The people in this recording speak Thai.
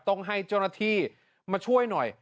ต้องให้เจ้าหน้าที่มาช่วยหน่อย